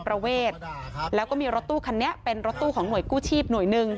ประเวทแล้วก็มีรถตู้คันนี้เป็นรถตู้ของหน่วยกู้ชีพหน่วยหนึ่ง